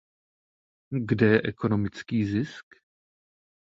Kde je ekonomický zisk?